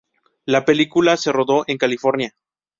La película se rodó en California.